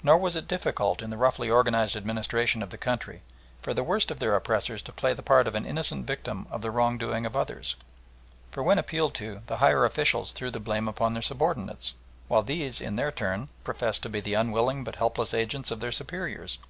Nor was it difficult in the roughly organised administration of the country, for the worst of their oppressors to play the part of an innocent victim of the wrong doing of others, for when appealed to, the higher officials threw the blame upon their subordinates, while these in their turn professed to be the unwilling but helpless agents of their superiors.